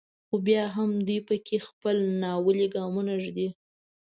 خو بیا هم دوی په کې خپل ناولي ګامونه ږدي.